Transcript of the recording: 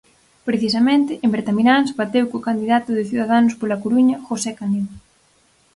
Precisamente, en Bertamiráns bateu co candidato de Ciudadanos pola Coruña, José Canedo.